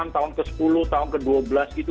tahun ke sepuluh tahun ke dua belas itu